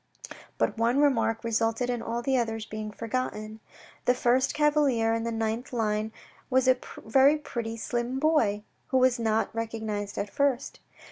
But one remark resulted in all the others being forgotten ; the first cavalier in the ninth line was a very pretty, slim boy, who was not recognised at first.